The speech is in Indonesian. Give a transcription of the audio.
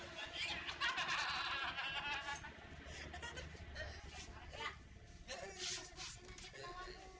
bisa lagi beneran